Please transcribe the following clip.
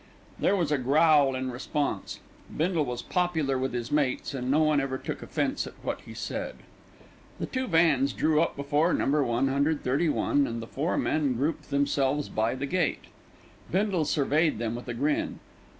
There was a growl in response. Bindle was popular with his mates, and no one ever took offence at what he said. The two vans drew up before No. 131, and the four men grouped themselves by the gate. Bindle surveyed them with a grin.